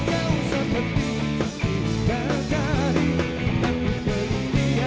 bagai putri mirip buka diri